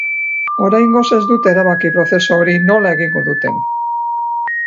Oraingoz ez dute erabaki prozesu hori nola egingo duten.